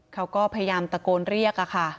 เขาก็พยายามตะโกนเรียกค่ะ